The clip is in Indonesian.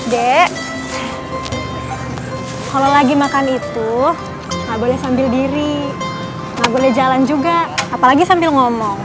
dek kalau lagi makan itu nggak boleh sambil diri nggak boleh jalan juga apalagi sambil ngomong